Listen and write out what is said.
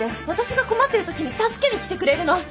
私が困ってる時に助けに来てくれるの。